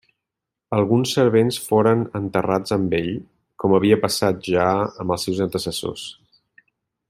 Alguns servents foren enterrats amb ell, com havia passat ja amb els seus antecessors.